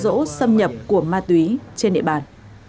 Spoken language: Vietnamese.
góp sức đẩy lùi những cam rỗ xâm nhập của ma túy trên địa bàn